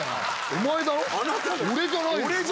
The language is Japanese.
お前だろ。